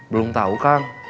belum tahu kang